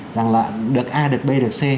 rằng là được a được b được c